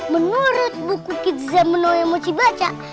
menurut buku kidz zemno yang mochi baca